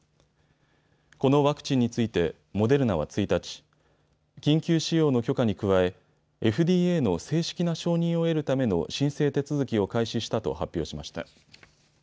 このワクチンについてモデルナは１日、緊急使用の許可に加えＦＤＡの正式な承認を得るための申請手続きを開始したと発表しました。